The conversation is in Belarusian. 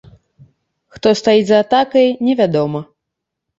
Хто стаіць за атакай, невядома.